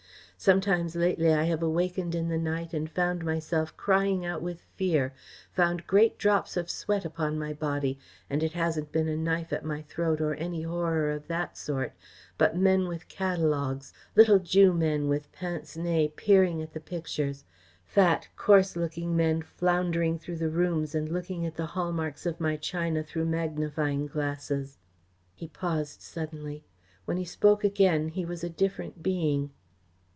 Sometimes lately I have awakened in the night and found myself crying out with fear, found great drops of sweat upon my body, and it hasn't been a knife at my throat or any horror of that sort, but men with catalogues, little Jew men with pince nez, peering at the pictures; fat, coarse looking men floundering through the rooms and looking at the hall marks of my china through magnifying glasses." He paused suddenly. When he spoke again he was a different being.